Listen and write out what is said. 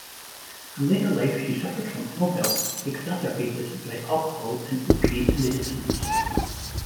In later life she suffered from ill-health, exacerbated by alcohol and opiate medicines.